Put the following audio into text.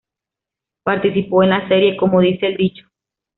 Participó en la serie "Como dice el dicho".